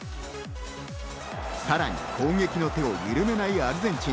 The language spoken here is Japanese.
さらに攻撃の手をゆるめないアルゼンチン。